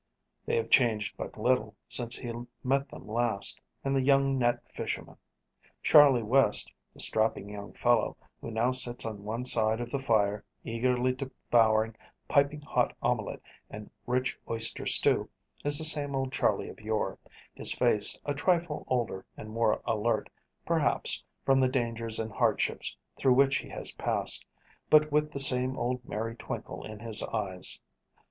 They have changed but little since he met them last in "The Young Net Fishermen." Charley West, the strapping young fellow, who now sits on one side of the fire eagerly devouring piping hot omelette and rich oyster stew, is the same old Charley of yore, his face a trifle older and more alert, perhaps, from the dangers and hardships through which he has passed, but with the same old merry twinkle in his eyes.